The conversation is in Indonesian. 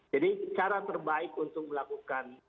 jadi cara terbaik untuk melakukan